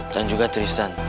dan juga tristan